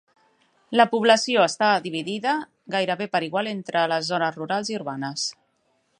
La població està dividida gairebé per igual entre les zones rurals i urbanes.